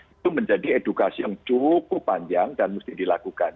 itu menjadi edukasi yang cukup panjang dan mesti dilakukan